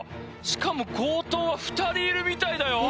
しかも強盗は２人いるみたいだよ